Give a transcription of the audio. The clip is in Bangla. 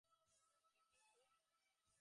কিন্তু, উম।